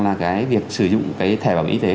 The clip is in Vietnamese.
là cái việc sử dụng cái thẻ bảo hiểm y tế